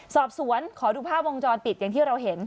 สอบสวนขอดูภาพวงจรปิดอย่างที่เราเห็น